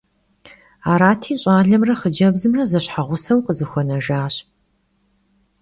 Arati, ş'alemre xhıcebzımre zeşheğuseu khızexuenejjaş.